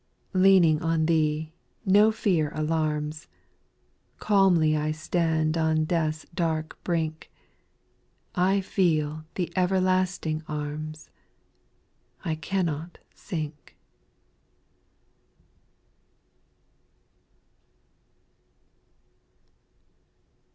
7. Leaning on Thee, no fear alarms ; Calmly I stand on death's dark brink ; I feel *' the everlasting anns," I cannot sink.